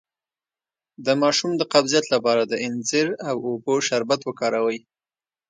د ماشوم د قبضیت لپاره د انځر او اوبو شربت وکاروئ